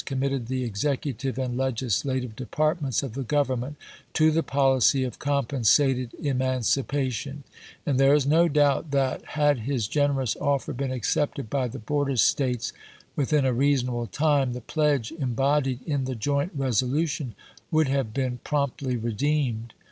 committed the executive and legislative depart ments of the Government to the policy of compen sated emancipation ; and there is no doubt that, had his generous offer been accepted by the border States within a reasonable time, the pledge em bodied in the joint resolution would have been promptly redeemed.